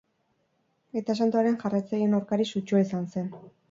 Aita Santuaren jarraitzaileen aurkari sutsua izan zen.